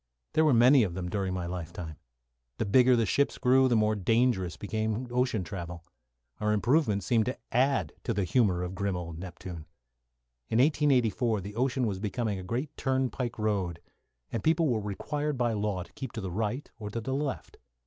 There were many of them during my life time. The bigger the ships grew, the more dangerous became ocean travel. Our improvements seemed to add to the humour of grim old Neptune. In 1884 the ocean was becoming a great turnpike road, and people were required by law to keep to the right or to the left.